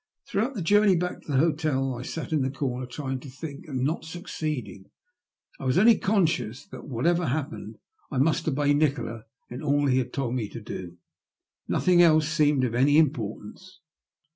Throughout the journey back to the hotel I sat in the comer trying to think, and not succeeding. I was only conscious that, whatever happened, I must obey Nikola in all he had told me to do. Nothing else seemed of any importance.